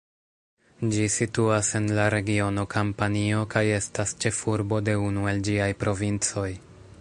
Ĝi situas en la regiono Kampanio kaj estas ĉefurbo de unu el ĝiaj provincoj.